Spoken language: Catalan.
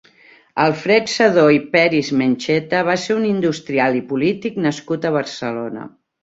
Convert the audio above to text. Alfred Sedó i Peris-Mencheta va ser un industrial i polític nascut a Barcelona.